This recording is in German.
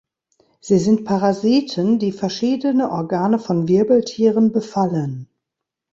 Sie sind Parasiten, die verschiedene Organe von Wirbeltieren befallen.